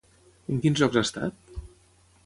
En quins llocs ha estat?